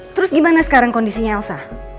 terus gimana sekarang kondisinya elsa